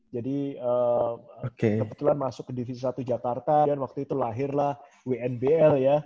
jadi kebetulan masuk ke divisi satu jakarta dan waktu itu lahirlah wnbl ya